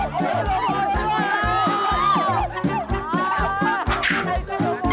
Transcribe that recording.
ช่วยกับพ่อ